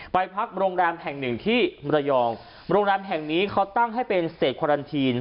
ไปพักโรงแรมแห่งหนึ่งที่มรยองโรงแรมแห่งนี้เขาตั้งให้เป็นเศษควารันทีน